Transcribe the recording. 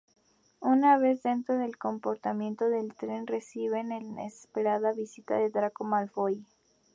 Una vez dentro del compartimiento del tren, reciben la inesperada visita de Draco Malfoy.